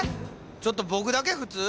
ちょっと僕だけ普通？